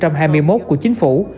năm hai nghìn hai mươi một của chính phủ